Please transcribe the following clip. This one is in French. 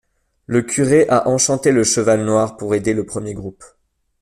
Le curé a enchanté le cheval noir pour aider le premier groupe.